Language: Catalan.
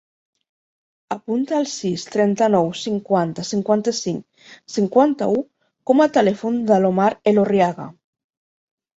Apunta el sis, trenta-nou, cinquanta, cinquanta-cinc, cinquanta-u com a telèfon de l'Omar Elorriaga.